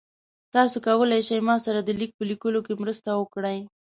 تاسو کولی شئ ما سره د لیک په لیکلو کې مرسته وکړئ؟